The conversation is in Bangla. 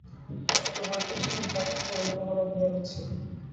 নক্ষত্র বলিতেছিলেন, ঠাকুর, তোমার মনে মনে ভয় হচ্ছে।